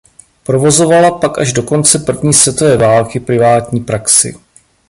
Provozovala pak až do konce první světové války privátní praxi.